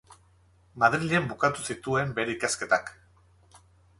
Madrilen bukatu zituen bere ikasketak.